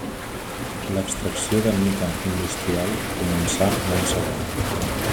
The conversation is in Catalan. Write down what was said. L'extracció de mica industrial començà l'any següent.